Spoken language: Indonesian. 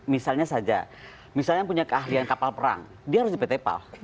misalnya saja misalnya yang punya keahlian kapal perang dia harus di pt pal